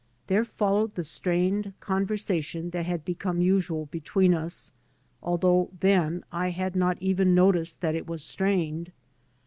There followed the strained conversation that had become usual between us, although then I had not even noticed that it was strained.